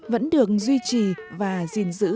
vẫn được duy trì và gìn giữ